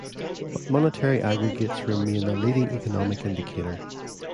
But monetary aggregates remain a leading economic indicator.